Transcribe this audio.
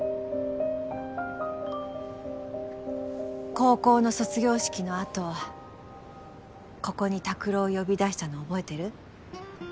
高校の卒業式の後ここに拓郎呼び出したの覚えてる？